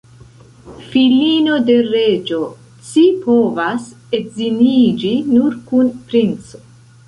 Filino de reĝo, ci povas edziniĝi nur kun princo.